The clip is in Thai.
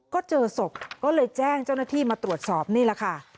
ก็เจอศพก็เลยแจ้งเจ้าหน้าที่มาตรวจสอบนี่แหละค่ะ